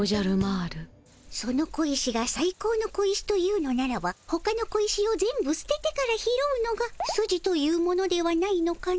その小石がさい高の小石と言うのならばほかの小石を全部すててから拾うのがスジというものではないのかの？